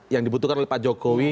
yang dibutuhkan oleh pak jokowi